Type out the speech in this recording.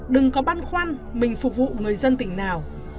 đừng có băn khoăn mình phục vụ người dân tỉnh nào